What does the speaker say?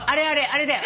あれだよ。